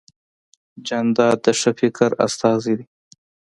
جانداد د ښه فکر استازی دی.